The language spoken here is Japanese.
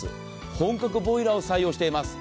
本格ボイラーを採用しています。